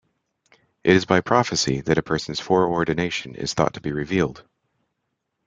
It is by prophecy that a person's foreordination is thought to be revealed.